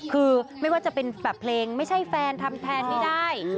คือไม่ว่าจะเป็นแบบเพลงไม่ใช่แฟนทำแทนไม่ได้